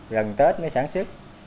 gần tết mới sản xuất